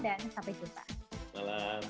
dan sampai jumpa selamat malam